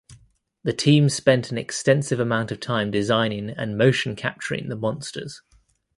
The team spent an extensive amount of time designing and motion capturing the monsters.